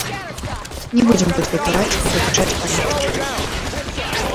Не будзем тут векаваць і дакучаць панічу.